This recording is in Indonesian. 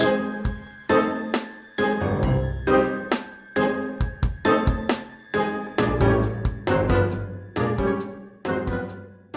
aku pulang dulu ya